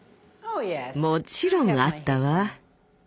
もちろんあったわ。